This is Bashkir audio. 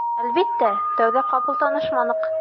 Әлбиттә, тәүҙә ҡапыл танышманыҡ.